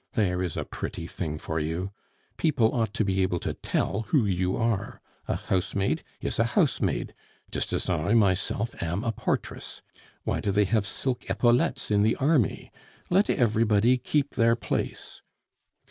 There is a pretty thing for you! People ought to be able to tell who you are. A housemaid is a housemaid, just as I myself am a portress. Why do they have silk epaulettes in the army? Let everybody keep their place.